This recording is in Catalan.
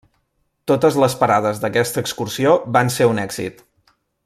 Totes les parades d'aquesta excursió van ser un èxit.